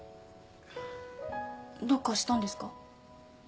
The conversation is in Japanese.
どうかしたんですか？